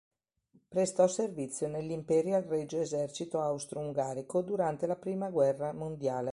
Prestò servizio nel Imperial regio Esercito austro-ungarico durante la prima guerra mondiale.